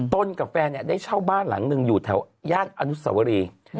กับแฟนได้เช่าบ้านหลังหนึ่งอยู่แถวย่านอนุสวรี